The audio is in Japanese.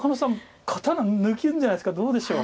刀抜くんじゃないですかどうでしょう。